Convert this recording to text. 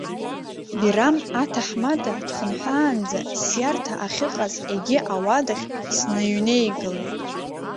Бирам аҭаҳмада дхынҳәаанӡа сиарҭа ахьыҟаз егьи ауадахь сныҩнеигалеит.